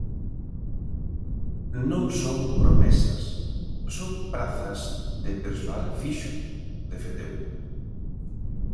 "Non son promesas, son prazas de persoal fixo", defendeu.